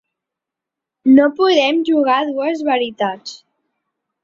No podem jugar a dues veritats.